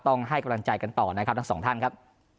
ให้กำลังใจกันต่อนะครับทั้งสองท่านครับ